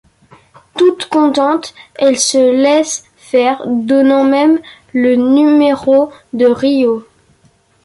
Toute contente, elle se laisse faire, donnant même le numéro de Ryô.